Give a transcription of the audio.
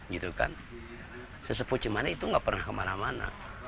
gitu kan sesepuh cemande itu nggak pernah kemana mana